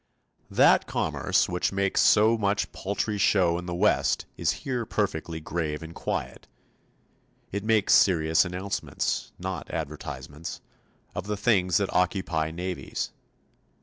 That commerce which makes so much paltry show in the West is here perfectly grave and quiet; it makes serious announcements, not advertisements, of the things that occupy navies.